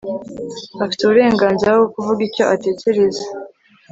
afite uburenganzira bwo kuvuga icyo atekereza